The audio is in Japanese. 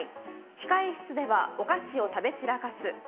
控室では、お菓子を食べ散らかす。